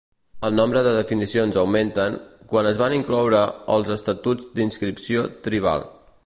El nombre de definicions augmenten quan es van incloure els estatuts d'inscripció tribal.